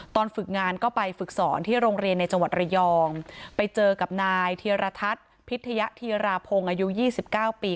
ตอนฝึกงานก็ไปฝึกสอนที่โรงเรียนในจังหวัดระยองไปเจอกับนายเทียรทัศน์พิทยธีราพงศ์อายุ๒๙ปี